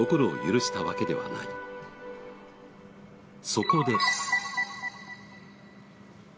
そこで。